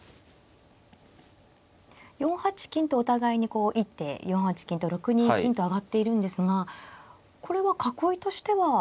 ４八金とお互いにこう一手４八金と６二金と上がっているんですがこれは囲いとしては。